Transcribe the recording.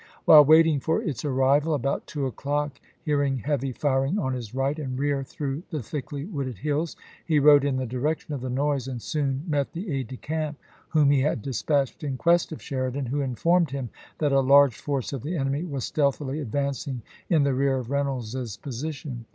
While waiting for its arrival, about two o'clock, hearing heavy firing on his right and rear through the thickly wooded hills, he rode in the direction of the noise, and soon met the aide de camp whom he had dispatched in quest of Sheridan, who informed him that a large force of the enemy was stealthily advancing in the rear of Reynolds's position.